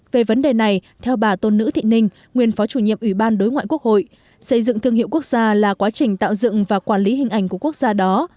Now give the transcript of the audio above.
về vấn đề này theo bà tôn nữ thị ninh nguyên phó chủ nhiệm ủy ban đối ngoại quốc hội xây dựng thương hiệu quốc gia là quá trình tạo dựng và quản lý hình ảnh của quốc gia đó